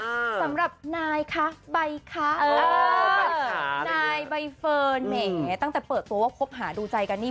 สำหรับนายคะใบคะเออนายใบเฟิร์นแหมตั้งแต่เปิดตัวว่าคบหาดูใจกันนี่